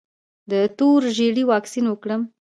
د تور ژیړي واکسین وکړم؟